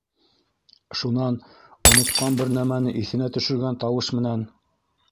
Шунан онотҡан бер нәмәне иҫенә төшөргән тауыш менән: